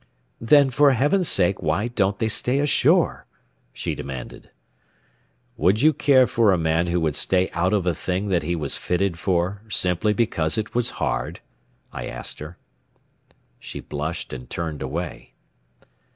"Then for Heaven's sake why don't they stay ashore?" she demanded. "Would you care for a man who would stay out of a thing that he was fitted for, simply because it was hard?" I asked her. She blushed and turned away.